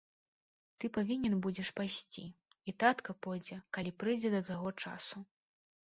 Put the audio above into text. Ты павінен будзеш пайсці, і татка пойдзе, калі прыедзе да таго часу.